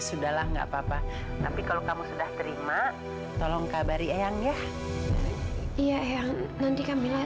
sudah lah nggak papa tapi kalau kamu sudah terima tolong kabari yang ya iya yang nanti kamila